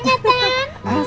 jangan bertanya kayak udah